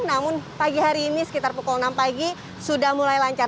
namun pagi hari ini sekitar pukul enam pagi sudah mulai lancar